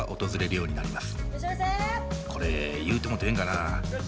これ言うてもうてええんかな。